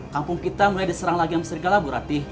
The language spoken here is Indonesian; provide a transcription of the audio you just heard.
kampung kita mulai diserang lagi sama serigala bu ratih